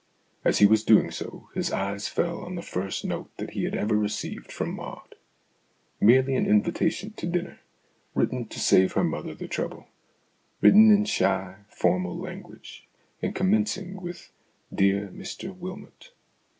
As he was doing so, his eye fell on the first note that he had ever received from Maud merely an invitation to dinner, written to save her mother the trouble, written in shy, formal language, and commencing with " Dear Mr Wylmot."